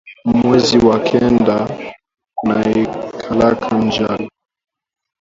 Mwezi wa kenda kunaikalaka njala